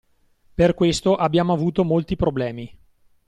Per questo abbiamo avuto molti problemi.